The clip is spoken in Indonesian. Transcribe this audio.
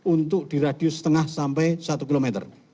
untuk di radius setengah sampai satu kilometer